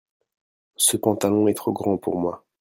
ce pantalon est trop grand pour moi.